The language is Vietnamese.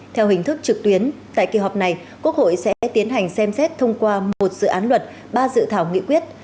theo hình thức trực tuyến tại kỳ họp này quốc hội sẽ tiến hành xem xét thông qua một dự án luật ba dự thảo nghị quyết